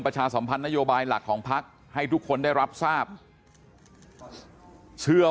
ประชาสัมพันธ์นโยบายหลักของพักให้ทุกคนได้รับทราบเชื่อ